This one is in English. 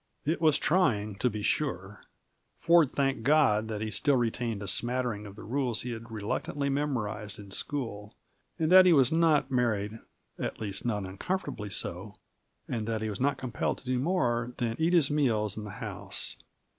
It was trying, to be sure. Ford thanked God that he still retained a smattering of the rules he had reluctantly memorized in school, and that he was not married (at least, not uncomfortably so), and that he was not compelled to do more than eat his meals in the house.